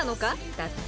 だって。